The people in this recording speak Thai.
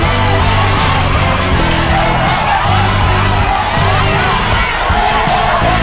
เพื่อชิงทุนต่อชีวิตสุด๑ล้านบาท